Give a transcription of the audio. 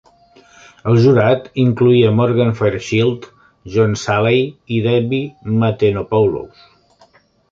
El jurat incloïa Morgan Fairchild, John Salley, i Debbie Matenopoulos.